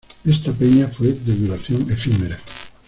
Esta peña fue de duración efímera.